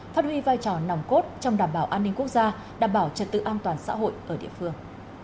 phát huy vai trò nòng cốt trong đảm bảo an ninh quốc gia đảm bảo trật tự an toàn xã hội ở địa phương